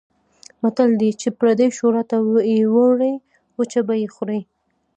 متل دی: چې پردۍ شوروا ته یې وړوې وچه به یې خورې.